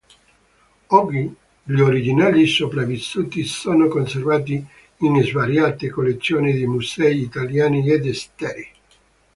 Oggi, gli originali sopravvissuti sono conservati in svariate collezioni di musei italiani ed esteri.